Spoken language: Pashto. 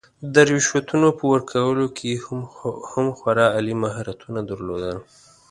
د رشوتونو په ورکولو کې یې هم خورا عالي مهارتونه درلودل.